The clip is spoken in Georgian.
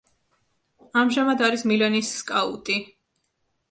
ამჟამად არის მილანის სკაუტი.